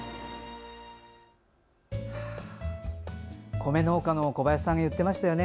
米農家の小林さんが言ってましたよね。